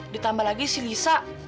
ditambah lagi si lisa